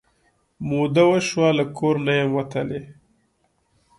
موده وشوه له کور نه یم وتلې